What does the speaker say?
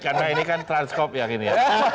karena ini kan transkop yang ini